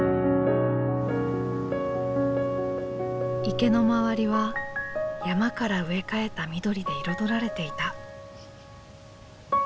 池の周りは山から植え替えた緑で彩られていた。